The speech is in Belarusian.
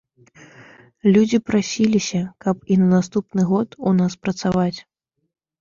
Людзі прасіліся, каб і на наступны год у нас працаваць.